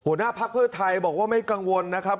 หัวหน้าภักดิ์เพื่อไทยบอกว่าไม่กังวลนะครับ